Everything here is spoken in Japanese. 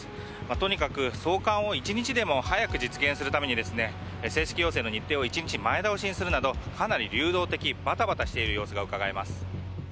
とにかく送還を一日でも早く実現するために正式要請の日程を１日前倒しにするなどかなり流動的バタバタしている様子がうかがえます。